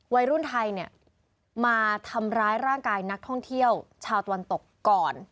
วัยรุ่นไทยเนี่ยมาทำร้ายร่างกายนักท่องเที่ยวชาวตะวันตกก่อน